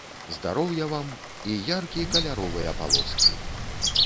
Здароўя вам, і яркі каляровыя палоскі!